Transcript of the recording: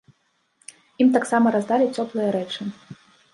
Ім таксама раздалі цёплыя рэчы.